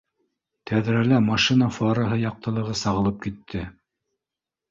Тәҙрәлә машина фараһы яҡтылығы сағылып китте